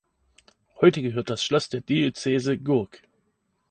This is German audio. Heute gehört das Schloss der Diözese Gurk.